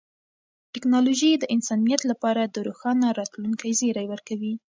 ټیکنالوژي د انسانیت لپاره د روښانه راتلونکي زیری ورکوي.